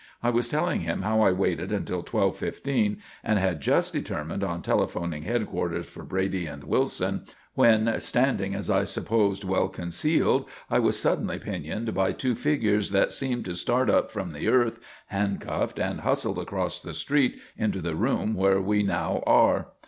I was telling him how I waited until 12:15 and had just determined on telephoning headquarters for Brady and Wilson when, standing as I supposed well concealed, I was suddenly pinioned by two figures that seemed to start up from the earth, handcuffed and hustled across the street into the room where we now were.